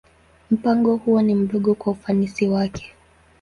Mpango huo ni mdogo kwa ufanisi wake.